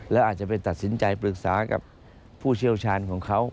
แล้วอาจจะไปตัดสินใจปรึกษากับผู้เชี่ยวชาญของเขา